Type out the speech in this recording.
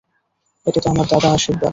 এটা তো আমার দাদা আশির্বাদ।